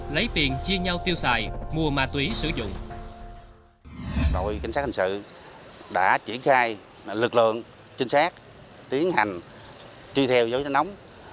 lấy tiền chia nhau tiêu xài mua ma túy sử dụng